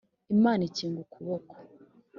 Imana ikinga ukuboka